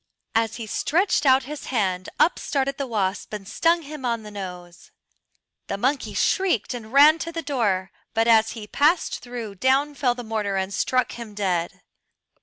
As he stretched out his hand up started the wasp and stung him on the nose. The monkey shrieked and ran to the door, but as he passed through down fell the mortar and struck him dead.